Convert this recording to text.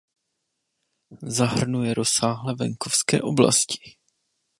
Zahrnuje rozsáhlé venkovské oblasti.